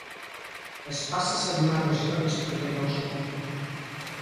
Es passa setmanes i hores prenent el sol.